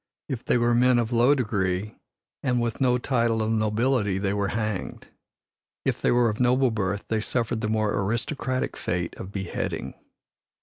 If they were men of low degree and with no title of nobility they were hanged. If they were of noble birth, they suffered the more aristocratic fate of beheading.